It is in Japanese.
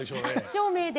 照明で。